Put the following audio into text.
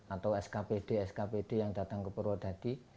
atau skpd skpd yang datang ke purwodadi